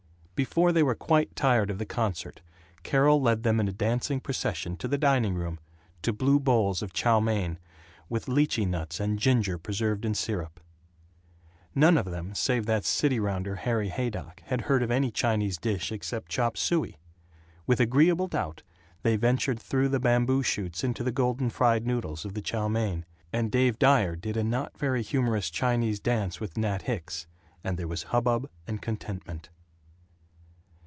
Before they were quite tired of the concert Carol led them in a dancing procession to the dining room, to blue bowls of chow mein, with Lichee nuts and ginger preserved in syrup. None of them save that city rounder Harry Haydock had heard of any Chinese dish except chop sooey. With agreeable doubt they ventured through the bamboo shoots into the golden fried noodles of the chow mein; and Dave Dyer did a not very humorous Chinese dance with Nat Hicks; and there was hubbub and contentment.